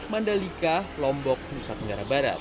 mandalika lombok nusantara barat